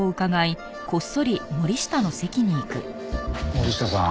森下さん。